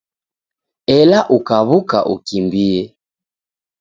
Ela ukaw'uka ukimbie